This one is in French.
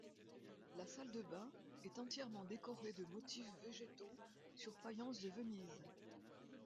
La salle de bains est entièrement décorée de motifs végétaux sur faïence de Venise.